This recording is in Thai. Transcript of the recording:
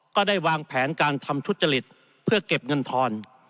ก็ได้วางแผนการทำทุจริตเพื่อเก็บเงินทอน